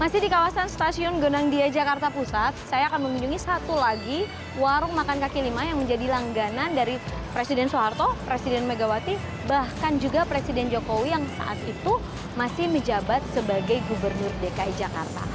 masih di kawasan stasiun gondangdia jakarta pusat saya akan mengunjungi satu lagi warung makan kaki lima yang menjadi langganan dari presiden soeharto presiden megawati bahkan juga presiden jokowi yang saat itu masih menjabat sebagai gubernur dki jakarta